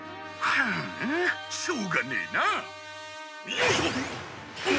「はあしょうがねえな」よいしょ！